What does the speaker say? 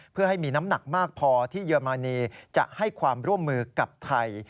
เพื่อให้มีน้ำหนักมากพอที่เยอรมนีจะให้ความร่วมมือกับไทย